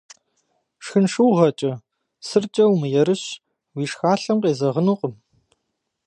Шхын шыугъэкӏэ, сыркӏэ умыерыщ, уи шхалъэм къезэгъынукъым.